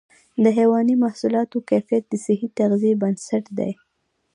د حيواني محصولاتو کیفیت د صحي تغذیې بنسټ دی.